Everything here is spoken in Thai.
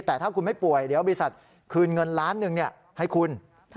แต่ถ้าคุณไม่ป่วยเดี๋ยวบริษัทคืนเงินล้านหนึ่งให้คุณ